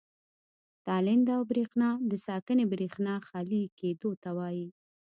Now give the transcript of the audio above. تالنده او برېښنا د ساکنې برېښنا خالي کېدو ته وایي.